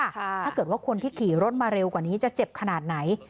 ถ้าเกิดว่าคนที่ขี่รถมาเร็วกว่านี้จะเจ็บขนาดไหน